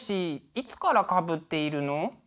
いつからかぶっているの？